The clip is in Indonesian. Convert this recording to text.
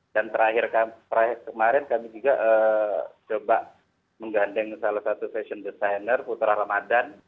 dan terakhir kemarin kami juga coba menggandeng salah satu fashion designer putra ramadan